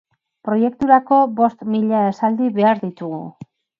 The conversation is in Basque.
Proiekturako bost mila esaldi behar ditugu.